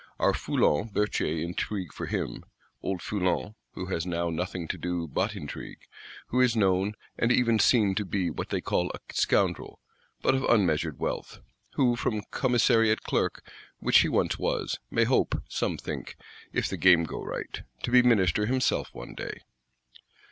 Our Foulons, Berthiers intrigue for him:—old Foulon, who has now nothing to do but intrigue; who is known and even seen to be what they call a scoundrel; but of unmeasured wealth; who, from Commissariat clerk which he once was, may hope, some think, if the game go right, to be Minister himself one day.